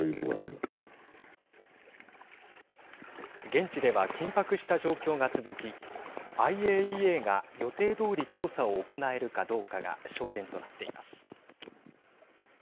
現地では、緊迫した状況が続きＩＡＥＡが予定どおり調査を行えるかどうかが焦点となっています。